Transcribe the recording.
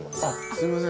すいません。